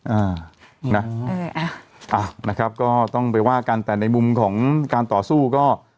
อ่านะเอออ่ะอ่านะครับก็ต้องไปว่ากันแต่ในมุมของการต่อสู้ก็